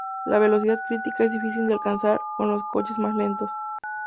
La velocidad crítica es difícil de alcanzar con los coches más lentos.